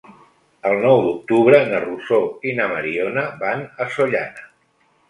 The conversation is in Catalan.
El nou d'octubre na Rosó i na Mariona van a Sollana.